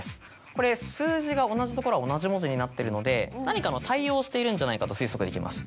これ数字が同じところは同じ文字になってるので何かの対応をしているんじゃないかと推測できます。